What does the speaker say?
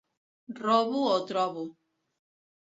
Robo o trobo.